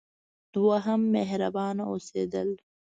دوهم: مهربانه اوسیدل.